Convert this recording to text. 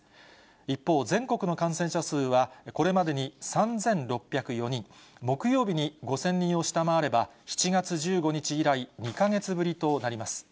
一方、全国の感染者数はこれまでに３６０４人、木曜日に５０００人を下回れば、７月１５日以来、２か月ぶりとなります。